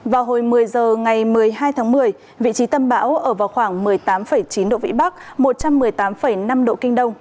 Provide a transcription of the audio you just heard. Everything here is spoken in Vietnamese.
vào hồi một mươi h ngày một mươi hai tháng một mươi vị trí tâm bão ở vào khoảng một mươi tám chín độ vĩ bắc một trăm một mươi tám năm độ kinh đông